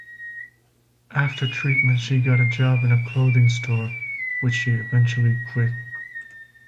After treatment, she got a job in a clothing store, which she eventually quit.